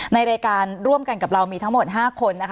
ในรายการร่วมกันกับเรามีทั้งหมด๕คนนะคะ